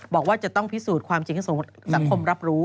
บอกว่าจะต้องพิสูจน์ความจริงให้สมมติสังคมรับรู้